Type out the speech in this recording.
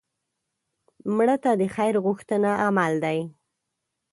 مړه ته د خیر غوښتنه عمل دی